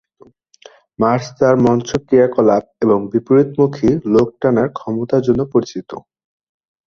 Mars তার মঞ্চ ক্রিয়াকলাপ এবং বিপরীতমুখী লোক-টানার ক্ষমতার জন্য পরিচিত।